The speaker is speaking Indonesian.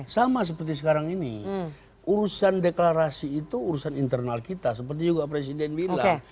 sama seperti sekarang ini urusan deklarasi itu urusan internal kita seperti juga presiden bilang